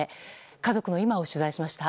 家族の今を取材しました。